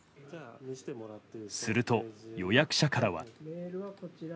すると、予約者からは。